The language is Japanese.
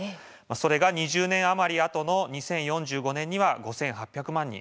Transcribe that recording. それが、２０年余りあとの２０４５年には５８００万人